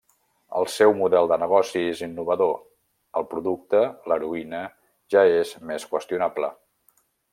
El seu model de negoci és innovador; el producte, l'heroïna, ja és més qüestionable.